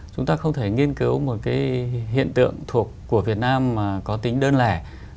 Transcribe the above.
chúng ta không thể nghiên cứu một cái hiện tượng thuộc của việt nam mà có tính đơn lẻ